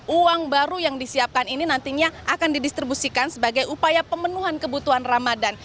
uang baru yang disiapkan ini nantinya akan didistribusikan sebagai upaya pemenuhan kebutuhan ramadan